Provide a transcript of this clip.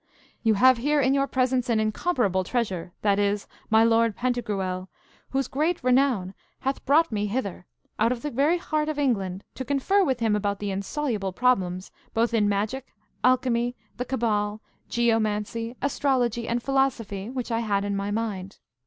You have here in your presence an incomparable treasure, that is, my lord Pantagruel, whose great renown hath brought me hither, out of the very heart of England, to confer with him about the insoluble problems, both in magic, alchemy, the cabal, geomancy, astrology, and philosophy, which I had in my mind.